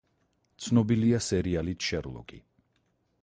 ცნობილია სერიალით „შერლოკი“.